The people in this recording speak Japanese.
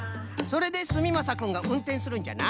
それですみまさくんがうんてんするんじゃな。